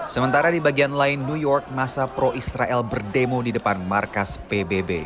sementara di bagian lain new york masa pro israel berdemo di depan markas pbb